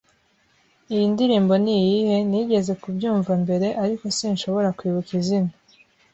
Iyi ndirimbo niyihe? Nigeze kubyumva mbere, ariko sinshobora kwibuka izina.